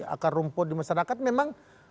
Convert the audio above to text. akar rumput di masyarakat memang